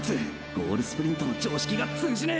ゴールスプリントの常識が通じねぇ！！